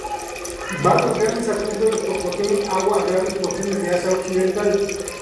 Varios grandes acuíferos proporcionan agua a grandes porciones de Asia Occidental.